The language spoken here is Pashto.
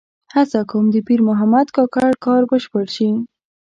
هڅه کوم د پیر محمد کاکړ کار بشپړ شي.